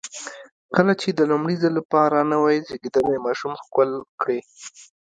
کله چې د لومړي ځل لپاره نوی زېږېدلی ماشوم ښکل کړئ.